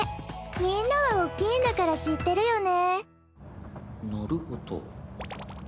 みんなはおっきいんだから知ってるよね。